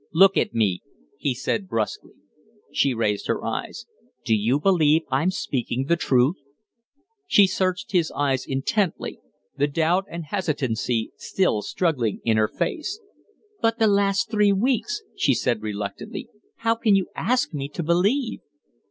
"Look at me!" he said, brusquely. She raised her eyes. "Do you believe I'm speaking the truth?" She searched his eyes intently, the doubt and hesitancy still struggling in her face. "But the last three weeks?" she said, reluctantly. "How can you ask me to believe?"